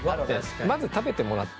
まず食べてもらって。